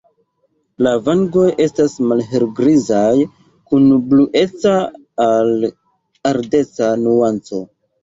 La vangoj estas malhelgrizaj kun blueca al ardeza nuanco.